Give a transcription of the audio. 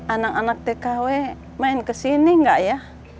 anak anak tkw main kesini nggak ya